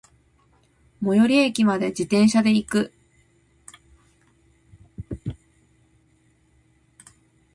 最寄駅まで、自転車で行く。